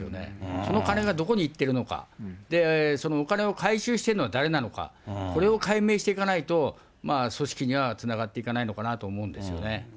その金がどこに行ってるのか、そのお金を回収しているのは誰なのか、これを解明していかないと、組織にはつながっていかないのかなと思うんですよね。